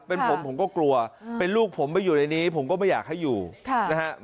เป็นผมผมก็กลัวเป็นลูกผมไปอยู่ในนี้ผมก็ไม่อยากให้อยู่นะฮะ